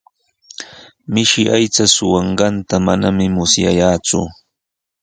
Mishi aycha suqanqanta manami musyayaaku.